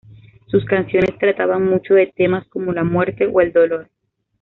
Sus canciones trataban mucho de temas como la muerte o el dolor.